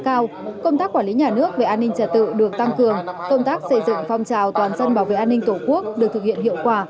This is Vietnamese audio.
cao công tác quản lý nhà nước về an ninh trật tự được tăng cường công tác xây dựng phong trào toàn dân bảo vệ an ninh tổ quốc được thực hiện hiệu quả